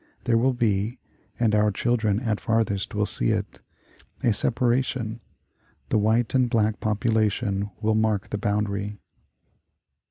There will be (and our children, at farthest, will see it) a separation. The white and black population will mark the boundary."